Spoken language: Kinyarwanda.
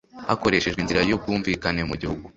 hakoreshejwe inzira y ubwumvikane mu gihugu